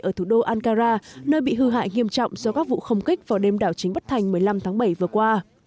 ở thủ đô ankara nơi bị hư hại nghiêm trọng do các vụ không kích vào đêm đảo chính bất thành một mươi năm tháng bảy vừa qua